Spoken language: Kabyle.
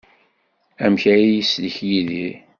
Amek ay yeslek Yidir?